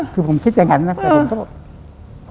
คือผมคิดอย่างนั้นนะแต่ผมก็บอก